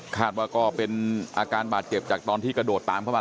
ก็เป็นอาการบาดเจ็บจากตอนที่กระโดดตามเข้ามา